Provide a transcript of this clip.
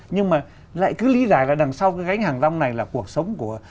nhưng mà lại cứ lý giải là đằng sau cái gánh hàng rong này là cuộc sống của